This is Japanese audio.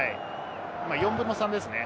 ４分の３ですね。